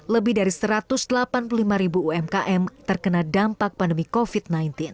lebih dari satu ratus delapan puluh lima ribu umkm terkena dampak pandemi covid sembilan belas